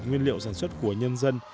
nguyên liệu sản xuất của nhân dân